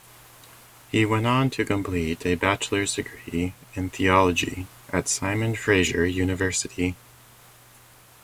He went on to complete a Bachelor's degree in theology at Simon Fraser University.